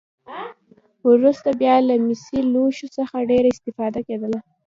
وروسته بیا له مسي لوښو څخه ډېره استفاده کېدله.